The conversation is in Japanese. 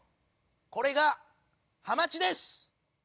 これがハマチです！